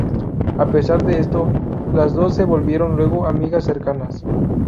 A pesar de esto, las dos se volvieron luego amigas cercanas.